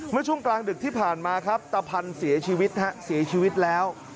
เมื่อช่วงกลางดึกที่ผ่านมาครับตะพันธุ์เสียชีวิตแล้ว